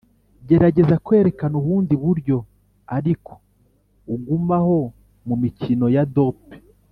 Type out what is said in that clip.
gerageza kwerekana ubundi buryo ariko ugumaho 'mumikino ya dope